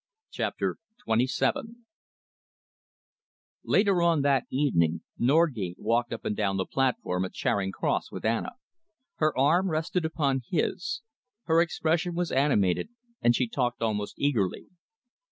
CHAPTER XXVII Later on that evening, Norgate walked up and down the platform at Charing Cross with Anna. Her arm rested upon his; her expression was animated and she talked almost eagerly.